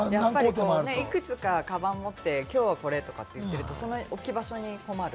いくつかかばんを持って、今日はこれって言ってると、その置き場所に困る。